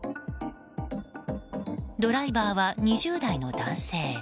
ドライバーは２０代の男性。